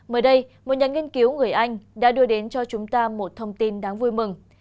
mới đây một nhà nghiên cứu người anh đã đưa đến cho chúng ta một thông tin đáng vui mừng